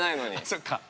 ◆そっか。